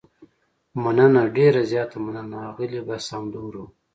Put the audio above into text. مننه، ډېره زیاته مننه، اغلې، بس همدومره و.